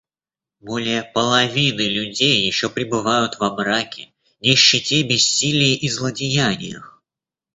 Более половины людей еще пребывают во мраке, нищете, бессилии и злодеяниях.